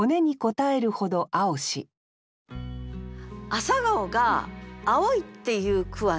朝顔が青いっていう句はね